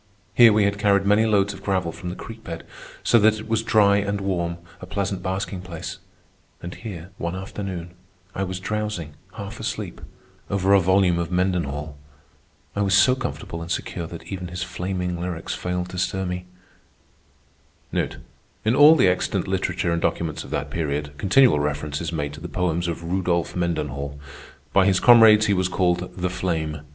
Here we had carried many loads of gravel from the creek bed, so that it was dry and warm, a pleasant basking place; and here, one afternoon, I was drowsing, half asleep, over a volume of Mendenhall. I was so comfortable and secure that even his flaming lyrics failed to stir me. In all the extant literature and documents of that period, continual reference is made to the poems of Rudolph Mendenhall. By his comrades he was called "The Flame."